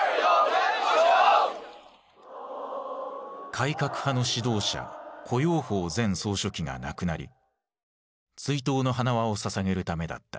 改革派の指導者胡耀邦前総書記が亡くなり追悼の花輪を捧げるためだった。